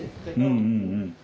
うんうんうん。